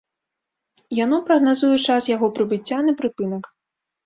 Яно прагназуе час яго прыбыцця на прыпынак.